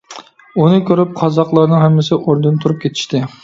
ئۇنى كۆرۈپ قازاقلارنىڭ ھەممىسى ئورنىدىن تۇرۇپ كېتىشتى.